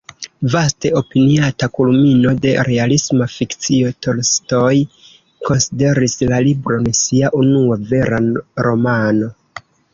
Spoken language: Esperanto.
Vaste opiniata kulmino de realisma fikcio, Tolstoj konsideris la libron sia unua vera romano.